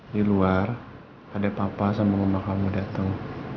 di luar ada papa sama mama kamu datang